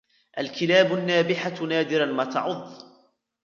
الكلاب النابحة نادراً ما تعض.